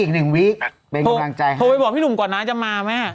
อีก๑วีคเป็นกำลังใจครับโทรไปบอกพี่หนุ่มก่อนนะจะมาไหมฮะ